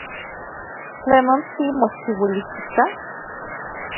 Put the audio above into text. ¿Tlenon timochiuilijtika?